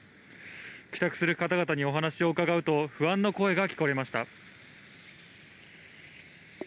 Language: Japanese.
帰宅する方々にお話を伺うと、不安の声が聞かれました。